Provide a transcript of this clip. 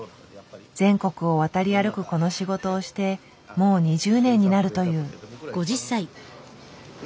全国を渡り歩くこの仕事をしてもう２０年になるという。